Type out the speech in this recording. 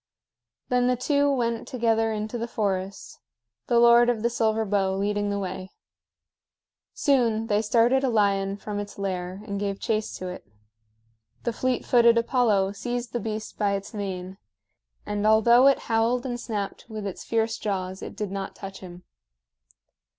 Then the two went together into the forest, the Lord of the Silver Bow leading the way. Soon they started a lion from its lair and gave chase to it. The fleet footed Apollo seized the beast by its mane, and although it howled and snapped with its fierce jaws it did not touch him.